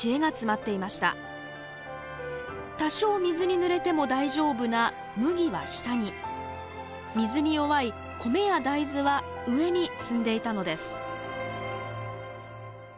多少水にぬれても大丈夫な麦は下に水に弱い米や大豆は上に積んでいたのです。